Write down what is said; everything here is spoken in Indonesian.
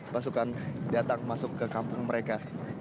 pasukan datang masuk ke kampung mereka